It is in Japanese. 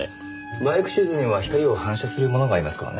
バイクシューズには光を反射するものがありますからね。